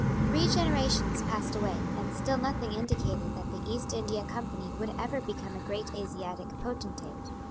Three generations passed away; and still nothing indicated that the East India Company would ever become a great Asiatic potentate.